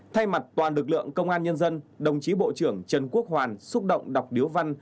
thay mặt toàn lực lượng công an nhân dân đồng chí bộ trưởng trần quốc hoàn xúc động đọc điếu văn